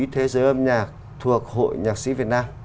thế giới âm nhạc thuộc hội nhạc sĩ việt nam